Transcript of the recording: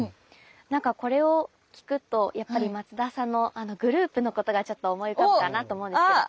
何かこれを聞くとやっぱり松田さんのグループのことがちょっと思い浮かぶかなと思うんですけど。